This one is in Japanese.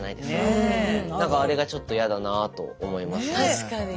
何かあれがちょっと嫌だなあと思いました。